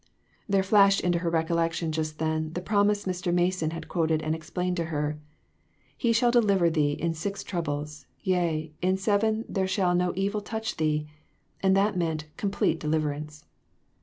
There flashed into her recollection just then, the promise Mr. Mason had quoted and explained to her. " He shall deliver thee in six troubles ; yea, in seven there shall no evil touch thee," and that meant " complete deliverance!"